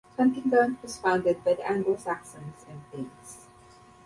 Huntingdon was founded by the Anglo-Saxons and Danes.